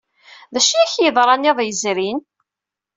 D acu ay ak-yeḍran iḍ yezrin?